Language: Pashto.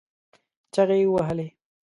چغې يې ووهلې.